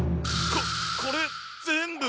こっこれ全部！？